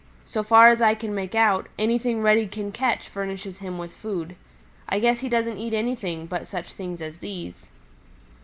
So far as I can make out, anything Reddy can catch furnishes him with food. I guess he doesn't eat anything but such things as these."